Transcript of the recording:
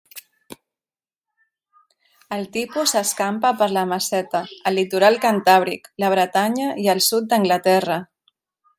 El tipus s'escampa per la Meseta, el litoral cantàbric, la Bretanya i el sud d'Anglaterra.